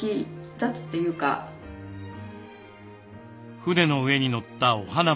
船の上にのったお花畑。